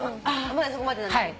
まだそこまでなんだ。